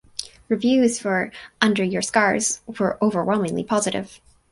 Reviews for "Under Your Scars" were overwhelmingly positive.